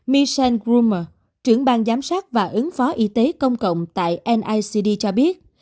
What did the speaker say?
michel grummer trưởng bang giám sát và ứng phó y tế công cộng tại nicd cho biết